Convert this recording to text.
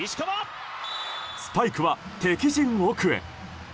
スパイクは敵陣奥へ。